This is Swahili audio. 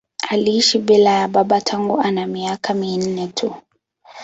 Aliishi bila ya baba tangu ana miaka minne tu.